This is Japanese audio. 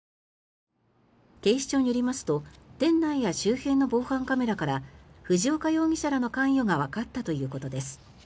警視庁によりますと店内や周辺の防犯カメラから藤岡容疑者らの関与がわかったということです。